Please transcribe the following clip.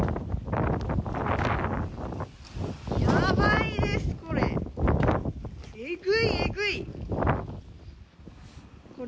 やばいです、これ。